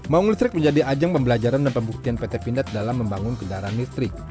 maung listrik menjadi ajang pembelajaran dan pembuktian pt pindad dalam membangun kendaraan listrik